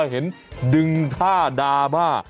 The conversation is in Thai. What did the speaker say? เห็นดึงท่าดราม่า